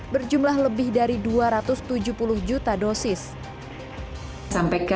berjumlah lebih dari dua ratus tujuh puluh juta dosis